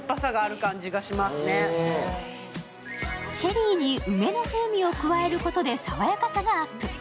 チェリーに梅の風味を加えることで爽やかさがアップ。